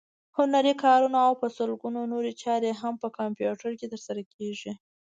هنري کارونه او په سلګونو نورې چارې هم په کمپیوټر کې ترسره کېږي.